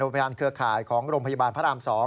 พยานเครือข่ายของโรงพยาบาลพระราม๒